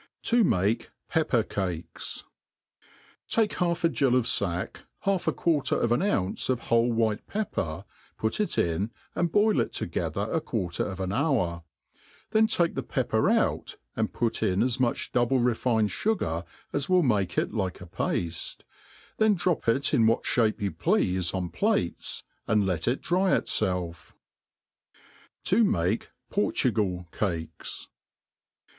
2S3 To make Pepper Cokes. TAKE half a gill of fack, half a quarter of an ounce of " whole white pepper, put it in, and boil it together a quar ^1 ter of an hour ; then take (he pepper out^ and put in as oiuch double refined^fugar as will make it like a pafte; then drop it in what fhape you pleafe on plates, and let it dry itielf, I ,... I To make Portugal Cahes.